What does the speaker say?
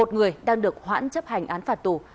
một người đang được hoãn chấp hành án phạt tù